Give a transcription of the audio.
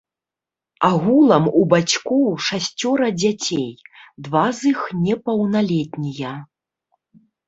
Агулам у бацькоў шасцёра дзяцей, два з іх непаўналетнія.